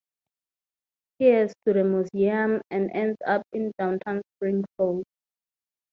He heads to the museum and ends up in downtown Springfield.